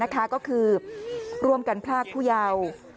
ก็คือร่วมกันพรากผู้เยาว์